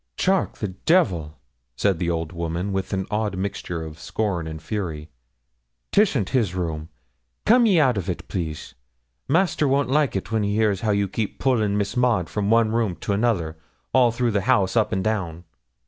'Charke the devil!' said the old woman, with an odd mixture of scorn and fury. ''Tisn't his room; and come ye out of it, please. Master won't like when he hears how you keep pulling Miss Maud from one room to another, all through the house, up and down.'